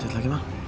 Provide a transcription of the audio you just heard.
lajat lagi bang